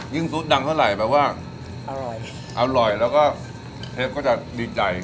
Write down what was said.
ซุดดังเท่าไหร่แปลว่าอร่อยอร่อยแล้วก็เทปก็จะดีใจ